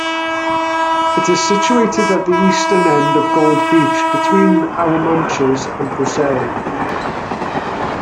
It is situated at the eastern end of Gold Beach between Arromanches and Courseulles.